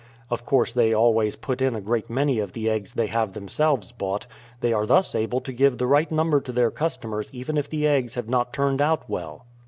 Of course they always put in a great many of the eggs they have themselves bought. They are thus able to give the right number to their customers even if the eggs have not turned out well.